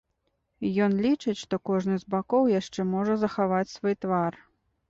Ён лічыць, што кожны з бакоў яшчэ можа захаваць свой твар.